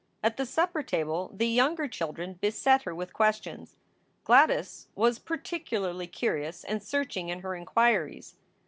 At the supper table the younger children beset her with questions. Gladys was particularly curious and searching in her inquiries.